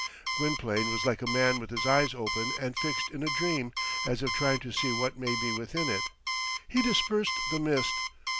Gwynplaine was like a man with his eyes open and fixed in a dream, as if trying to see what may be within it. He dispersed the mist.